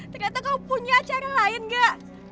ternyata kamu punya acara lain gak